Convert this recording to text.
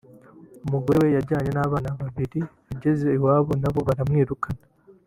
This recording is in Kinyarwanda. umugore we yajyanye n’abana babiri ageze iwabo nabo baramwirukana